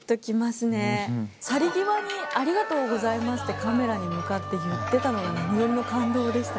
去り際に「ありがとうございます」ってカメラに向かって言ってたのが何よりも感動でしたね。